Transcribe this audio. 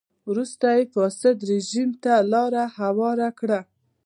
وروسته یې فاسد رژیم ته لار هواره کړه.